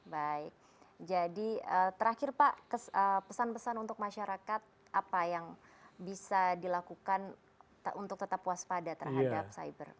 baik jadi terakhir pak pesan pesan untuk masyarakat apa yang bisa dilakukan untuk tetap waspada terhadap cyber